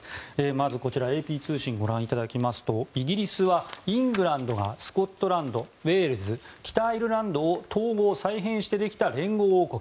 まず、こちらＡＰ通信をご覧いただきますとイギリスはイングランドがスコットランド、ウェールズ北アイルランドを統合・再編してできた連合王国。